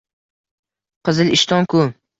Qizilishton-ku!